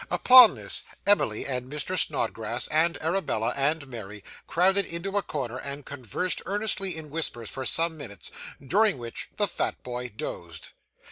Upon this, Emily and Mr. Snodgrass, and Arabella and Mary, crowded into a corner, and conversed earnestly in whispers for some minutes, during which the fat boy dozed.